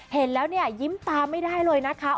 เห็นแล้วเนี่ยยิ้มตามไม่ได้เลยนะคะ